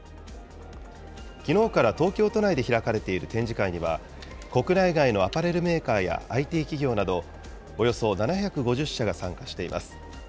きのうから東京都内で開かれている展示会には、国内外のアパレルメーカーやＩＴ企業など、およそ７５０社が参加しています。